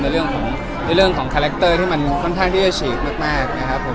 เรื่องของเรื่องของคาแรคเตอร์ที่มันค่อนข้างที่จะฉีกมากนะครับผม